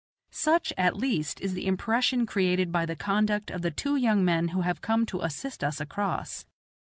Such, at least, is the impression created by the conduct of the two young men who have come to assist us across.